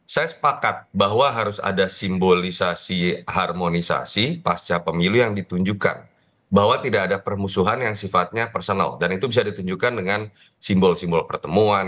saya sepakat bahwa harus ada simbolisasi harmonisasi pasca pemilu yang ditunjukkan bahwa tidak ada permusuhan yang sifatnya personal dan itu bisa ditunjukkan dengan simbol simbol pertemuan